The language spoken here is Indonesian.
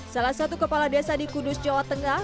salah satu kepala desa di kudus jawa tengah